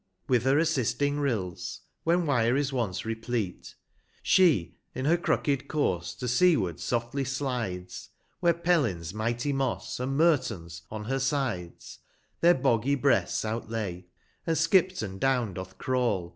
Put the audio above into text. With her assisting Rills, when lV)jre is once replete : She in her crooked course to seaward softly slides, 105 Where Fellin's mighty Moss, and Iferton's, on her sides Their boggy breasts out lay, and Skipton down doth crawl.